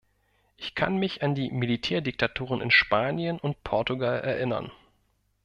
Ich kann mich an die Militärdiktaturen in Spanien und Portugal erinnern.